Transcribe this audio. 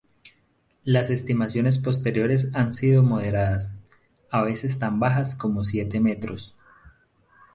Las estimaciones posteriores han sido más moderadas, a veces tan bajas como siete metros.